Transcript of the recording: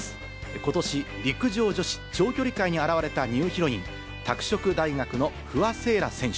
ことし、陸上女子長距離界に現れたニューヒロイン、拓殖大学の不破聖衣来選手。